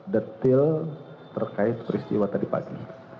detil terkait peristiwa tadi pagi